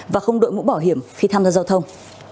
và không đội mũ bảo hiểm khi tham gia giao thông